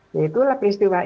yaitu lah peristiwa ini